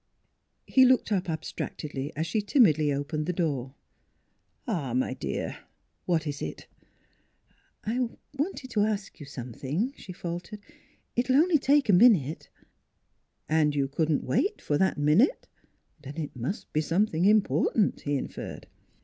He looked up abstractedly as she timidly opened the door. "Ah, my dear! What is it?" " I wanted to to ask you something," she faltered. " It will take only a minute." " And you couldn't wait for that minute ? Then it must be something important," he in ferred.